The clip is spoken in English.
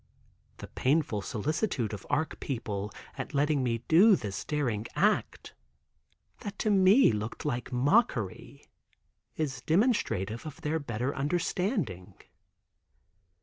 The painful solicitude of Arc people at letting me do this daring act, that to me looked like mockery, is demonstrative of their better understanding.